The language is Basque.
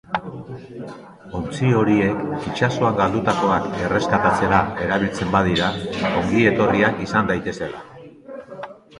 Ontzi horiek itsasoan galdutakoak erreskatatzera erabiltzen badira, ongi-etorriak izan daitezela.